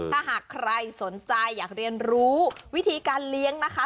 ถ้าหากใครสนใจอยากเรียนรู้วิธีการเลี้ยงนะคะ